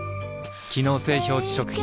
機能性表示食品